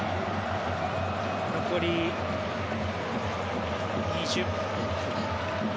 残り２０分。